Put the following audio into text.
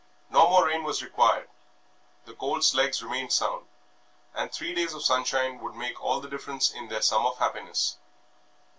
No more rain was required, the colt's legs remained sound, and three days of sunshine would make all the difference in their sum of happiness.